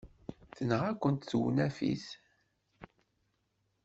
Tenɣa-kent tewnafit.